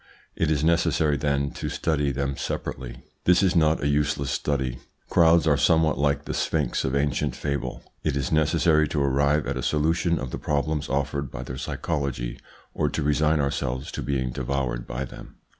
It is necessary, then, to study them separately. This is not a useless study. Crowds are somewhat like the sphinx of ancient fable: it is necessary to arrive at a solution of the problems offered by their psychology or to resign ourselves to being devoured by them.